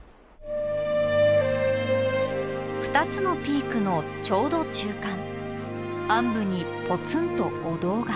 ２つのピークのちょうど中間あん部にぽつんとお堂が。